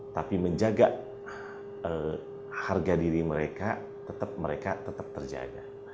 tapi menjaga harga diri mereka tetap mereka tetap terjaga